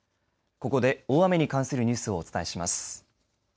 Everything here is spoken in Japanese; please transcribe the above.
ここで大雨に関するニュースをお伝えします。